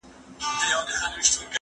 زه مخکي کتابونه وړلي وو،